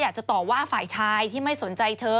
อยากจะตอบว่าฝ่ายชายที่ไม่สนใจเธอ